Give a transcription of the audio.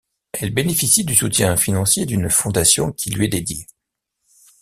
Elle bénéficie du soutien financier d'une fondation qui lui est dédiée.